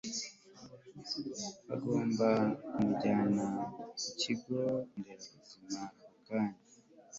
bagomba kumujyana ku kigo nderabuzima ako kanya